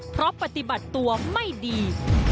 เพราะปฏิบัติตัวไม่ดี